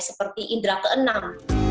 seperti indera keenam